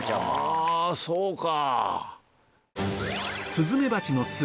あそうか。